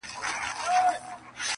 ځکه لاهم پاته څو تڼۍ پر ګرېوانه لرم،